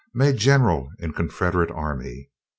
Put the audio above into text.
Made general in Confederate Army.